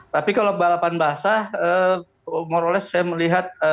tapi kalau balapan basah more or less saya melihat